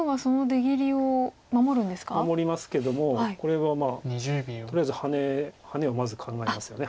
守りますけどもこれはとりあえずハネをまず考えますよね。